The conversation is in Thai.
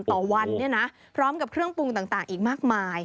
ต่อวันเนี่ยนะพร้อมกับเครื่องปรุงต่างอีกมากมาย